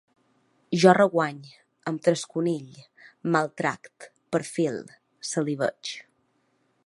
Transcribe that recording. Jo reguanye, em trasconille, maltracte, perfile, salivege